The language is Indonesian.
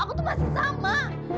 aku tuh masih sama